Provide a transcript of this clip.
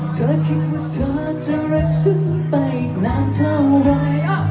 เธอคิดว่าเธอจะรักฉันไปนานเท่าไร